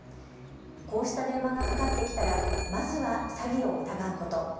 こうした電話がかかってきたらまずは詐欺を疑うこと。